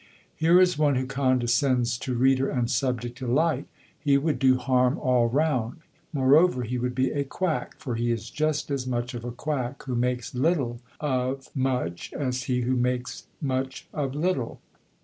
Here is one who condescends to reader and subject alike. He would do harm all round: moreover he would be a quack, for he is just as much of a quack who makes little of much as he who makes much of little.